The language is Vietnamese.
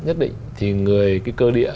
có nhất định thì cơ địa